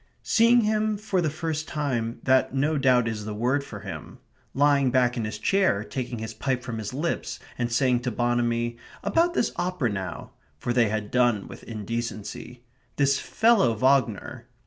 Seeing him for the first time that no doubt is the word for him. Lying back in his chair, taking his pipe from his lips, and saying to Bonamy: "About this opera now" (for they had done with indecency). "This fellow Wagner"